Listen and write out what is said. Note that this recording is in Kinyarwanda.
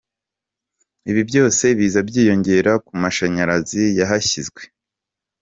Ibi byose biza byiyongera ku mashanyarazi yahashyizwe.